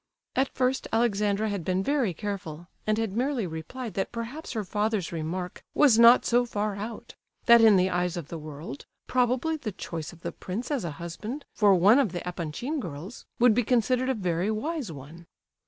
At first, Alexandra had been very careful, and had merely replied that perhaps her father's remark was not so far out: that, in the eyes of the world, probably the choice of the prince as a husband for one of the Epanchin girls would be considered a very wise one.